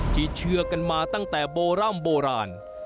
เชื่อกันมาตั้งแต่โบร่ำโบราณ